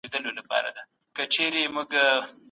تر ماښامه پورې کار بشپړ سوی و.